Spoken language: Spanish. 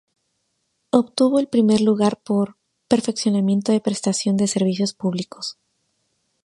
Obtuvo el primer lugar por "Perfeccionamiento de prestación de servicios públicos".